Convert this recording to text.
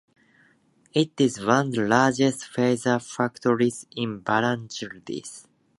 It is one of the largest fertilizer factories in Bangladesh.